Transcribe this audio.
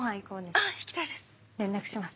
あっ行きたいです。